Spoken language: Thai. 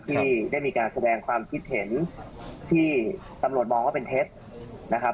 ที่ได้มีการแสดงความคิดเห็นที่ตำรวจมองว่าเป็นเท็จนะครับ